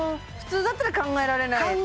普通だったら考えられない？